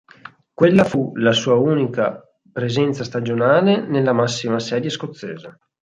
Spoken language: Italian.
Quella fu la sua unica presenza stagionale nella massima serie scozzese.